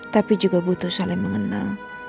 tapi juga butuh saling mengenal